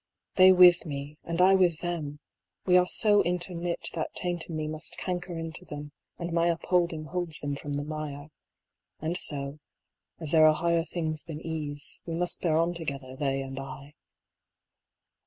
they with me, and I with them, we are so interknit that taint in me must canker into them and my upholding holds them from the mire : and so, as there are higher things than ease, we must bear on together they and I.